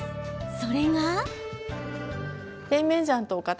それが。